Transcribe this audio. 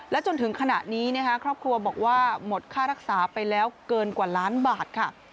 จนถึงขณะนี้ครอบครัวบอกว่าหมดค่ารักษาไปแล้วเกินกว่าล้านบาทค่ะ